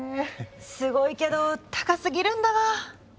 すごいけど高すぎるんだわ。